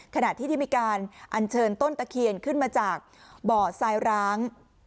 ขณะที่ที่มีการอัญเชิญต้นตะเคียนขึ้นมาจากบ่อทรายร้าง